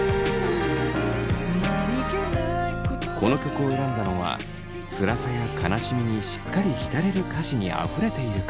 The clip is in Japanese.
この曲を選んだのはつらさや悲しみにしっかり浸れる歌詞にあふれているから。